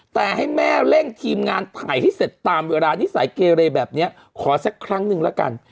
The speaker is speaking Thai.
แต่ให้แม่เร่งทีมงานถ่ายให้เสร็จตามเวลานิสัยเกเรแบบนี้ขอสักครั้งหนึ่งแล้วกัน